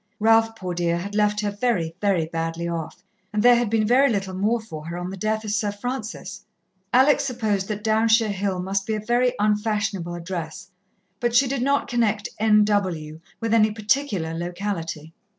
Ralph, poor dear, had left her very, very badly off, and there had been very little more for her on the death of Sir Francis. Alex supposed that Downshire Hill must be a very unfashionable address, but she did not connect "N.W." with any particular locality.